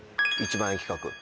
１万円企画？